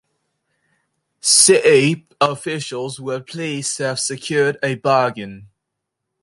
City officials were pleased to have secured a bargain.